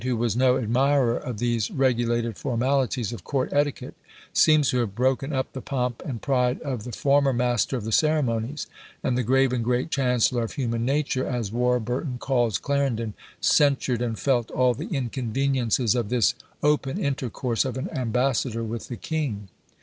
who was no admirer of these regulated formalities of court etiquette, seems to have broken up the pomp and pride of the former master of the ceremonies; and the grave and great chancellor of human nature, as Warburton calls Clarendon, censured and felt all the inconveniences of this open intercourse of an ambassador with the king.